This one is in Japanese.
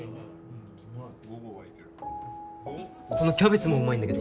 このキャベツもうまいんだけど。